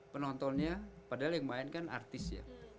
penontonnya padahal yang main kan artis ya